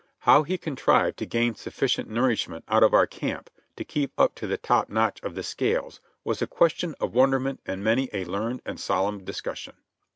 How he contrived to gain sufficient nourishment out of our camp to keep up to the top notch of the scales was a question of wonderment and many a learned and solemn discussion.